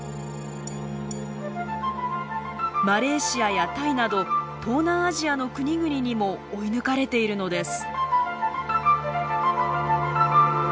マレーシアやタイなど東南アジアの国々にも追い抜かれているのです。